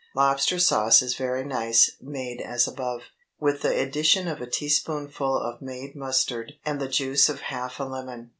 Lobster sauce is very nice made as above, with the addition of a teaspoonful of made mustard and the juice of half a lemon.